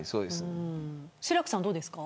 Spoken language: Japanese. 志らくさんはどうですか。